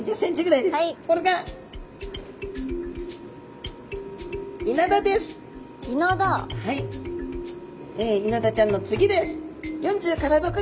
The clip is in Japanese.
いなだちゃんの次です。